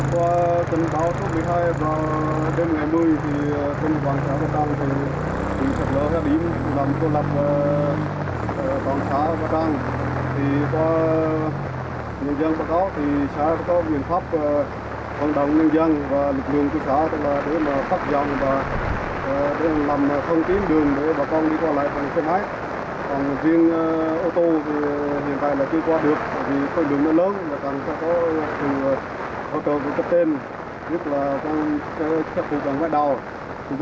tại các tuyến giao thông huyết mạch nối trung tâm huyện ba tơ thì các xã vùng sâu bị tê liệt hoàn toàn